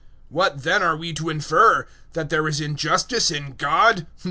009:014 What then are we to infer? That there is injustice in God?